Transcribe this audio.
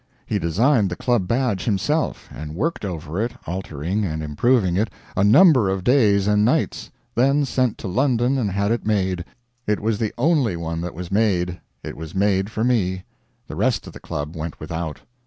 He designed the Club badge himself, and worked over it, altering and improving it, a number of days and nights; then sent to London and had it made. It was the only one that was made. It was made for me; the "rest of the Club" went without.